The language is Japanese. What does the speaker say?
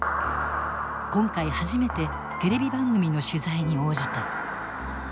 今回初めてテレビ番組の取材に応じた。